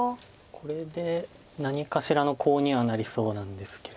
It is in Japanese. これで何かしらのコウにはなりそうなんですけれども。